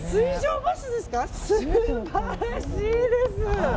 素晴らしいです！